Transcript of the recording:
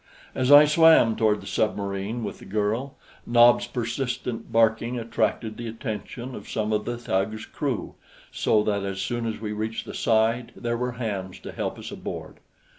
As I swam toward the submarine with the girl, Nobs' persistent barking attracted the attention of some of the tug's crew, so that as soon as we reached the side there were hands to help us aboard.